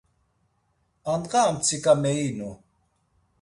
Andğa a mtsiǩa meyinu.